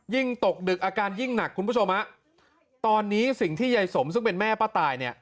ตกดึกอาการยิ่งหนักคุณผู้ชมฮะตอนนี้สิ่งที่ยายสมซึ่งเป็นแม่ป้าตายเนี่ย